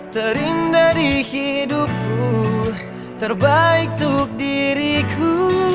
terindah di hidupku terbaik untuk diriku